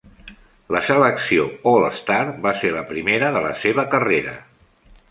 La selecció All-Star va ser la primera de la seva carrera.